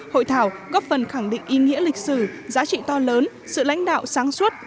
hội thảo góp phần khẳng định ý nghĩa lịch sử giá trị to lớn sự lãnh đạo sáng suốt